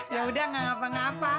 yaudah gak ngapa ngapa